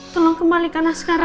tolong kembalikan askara